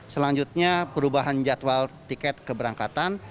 selanjutnya perubahan jadwal tiket keberangkatan